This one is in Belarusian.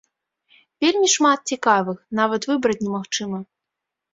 Вельмі шмат цікавых, нават выбраць немагчыма.